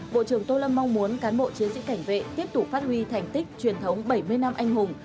bộ trưởng tô lâm mong muốn cán bộ chiến sĩ cảnh vệ tiếp tục phát huy thành tích truyền thống bảy mươi năm anh hùng